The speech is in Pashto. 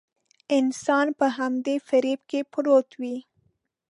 انسان په همدې فريب کې پروت وي.